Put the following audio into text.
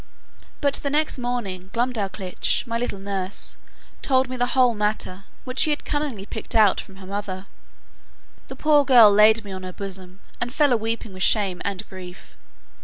But the next morning Glumdalclitch, my little nurse, told me the whole matter, which she had cunningly picked out from her mother. The poor girl laid me on her bosom, and fell a weeping with shame and grief.